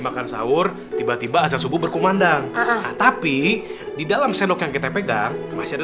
makan sahur tiba tiba asal subuh berkumandang tapi di dalam sendok yang kita pegang masih ada